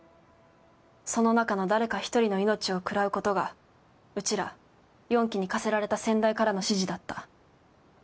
その中の誰か一人の命を食らうことがうちら四鬼に課せられた先代からの指示だった。